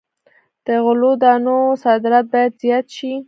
د غلو دانو صادرات باید زیات شي.